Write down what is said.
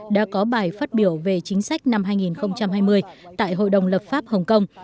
đã có bài phát biểu về chính sách năm hai nghìn hai mươi tại hội đồng lập pháp hồng kông